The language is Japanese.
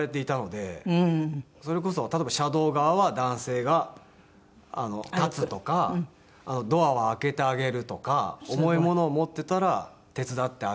それこそ例えば車道側は男性が立つとかドアを開けてあげるとか重いものを持ってたら手伝ってあげるとか。